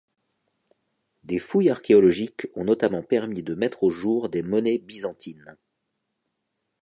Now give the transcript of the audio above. Des fouilles archéologiques ont notamment permis de mettre au jour des monnaies byzantines.